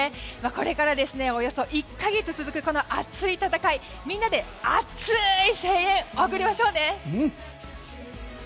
これからおよそ１か月続く熱い戦い、みんなで熱い声援を送りましょうね！